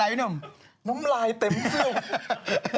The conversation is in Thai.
อันนี้อะไรหงวมลายเต็มซื่อ